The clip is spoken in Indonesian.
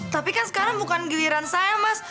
tapi kan sekarang bukan giliran saya mas